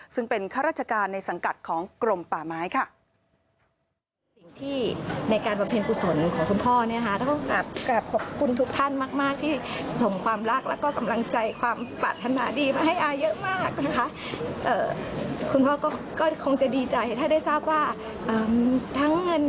ซึ่งเป็นข้าราชการในสังกัดของกรมป่าไม้ค่ะ